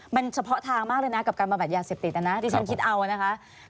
มันเฉพาะทางมากเลยนะกับการบำบัดยาเสพติดนะนะที่ฉันคิดเอานะคะ